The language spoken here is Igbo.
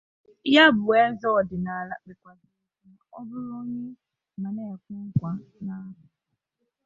ya bụ eze ọdịnala kpèkwazịrị ka ọ bụrụ onye ma nke ekwe na-akụ